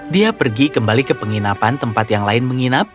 dia pergi kembali ke penginapan tempat yang lain menginap